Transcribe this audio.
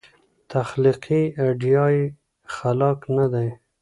تخلیقي ایډیا یې خلاق نه دی.